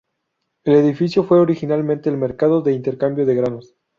El edificio fue originalmente el mercado de intercambio de granos.